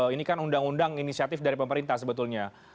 ini kan undang undang inisiatif dari pemerintah sebetulnya